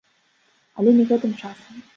Але не гэтым часам.